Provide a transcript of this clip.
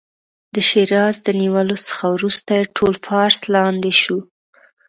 د شیراز د نیولو څخه وروسته یې ټول فارس لاندې شو.